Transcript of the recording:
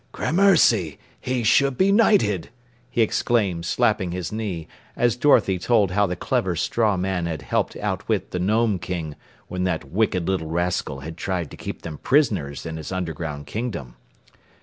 "Grammercy! He should be knighted!" he exclaimed, slapping his knee, as Dorothy told how the clever straw man had helped outwit the Gnome King when that wicked little rascal had tried to keep them prisoners in his underground kingdom.